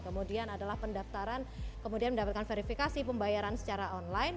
kemudian adalah pendaftaran kemudian mendapatkan verifikasi pembayaran secara online